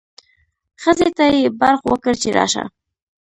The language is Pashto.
ښځې ته یې برغ وکړ چې راشه.